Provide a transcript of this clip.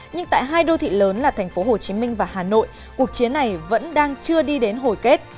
nhưng tại hai đô thị lớn là thành phố hồ chí minh và hà nội cuộc chiến này vẫn đang chưa đi đến hồi kết